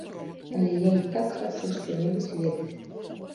Але я й так хачу што-небудзь ведаць.